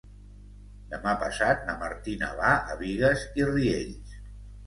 Demà passat na Martina va a Bigues i Riells.